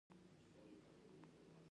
او الاقصی جومات له احاطې سره لګېدلی و.